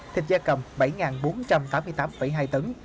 thịt da cầm bảy bốn trăm tám mươi tám hai tấn